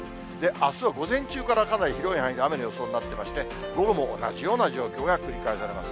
あすは午前中から、かなり広い範囲で雨の予想になってまして、午後も同じような状況が繰り返されます。